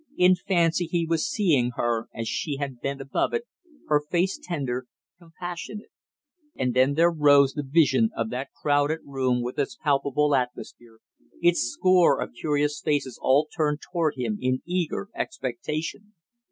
In fancy he was seeing her as she had bent above it, her face tender, compassionate; and then there rose the vision of that crowded room with its palpable atmosphere, its score of curious faces all turned toward him in eager expectation.